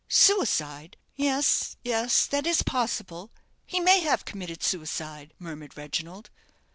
"Suicide yes yes that is possible; he may have committed suicide," murmured Reginald.